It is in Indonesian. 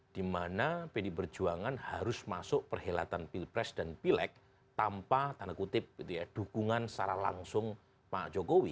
dimana pdi perjuangan harus masuk perhelatan pilpres dan pileg tanpa tanda kutip dukungan secara langsung pak jokowi